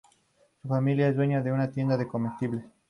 Su familia era dueña de una tienda de comestibles.